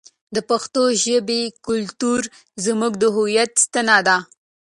د پښتو ژبې کلتور زموږ د هویت ستنه ده.